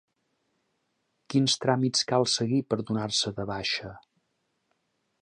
Quins tràmits cal seguir per donar-se de baixa?